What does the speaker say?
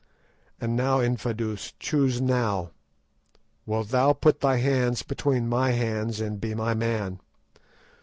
And now, Infadoos, choose thou. Wilt thou put thy hands between my hands and be my man?